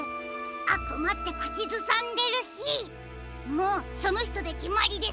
「あくま」ってくちずさんでるしもうそのひとできまりですね！